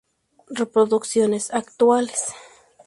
Reproducciones actuales.